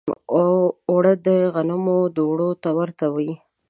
اوړه د غنمو دوړو ته ورته وي